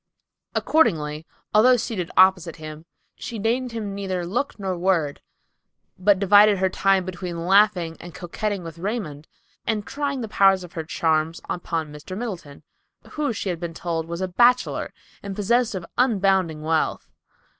Accordingly, although seated opposite him, she deigned him neither look nor word, but divided her time between laughing and coquetting with Raymond, and trying the power of her charms upon Mr. Middleton, who, she had been told, was a bachelor, and possessed of unbounded wealth.